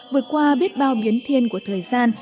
vượt qua biết bao biến thiên của thời gian